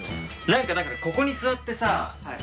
何かだからここに座ってさ。